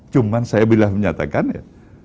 cuma saya bilang menyatakan ya